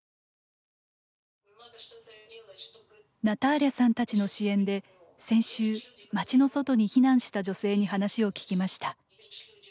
ナターリャさんたちの支援で先週、街の外に避難した女性に話を聞きました。